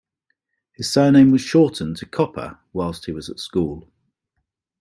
His surname was shortened to Kopa whilst he was at school.